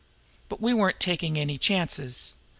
But we weren't taking any chances.